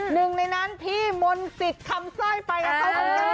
หนึ่งในนั้นพี่มนติศคำสร้อยไปกับเขาค่ะ